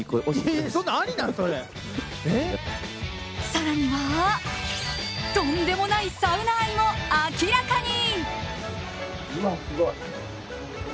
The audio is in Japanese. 更にはとんでもないサウナ愛も明らかに。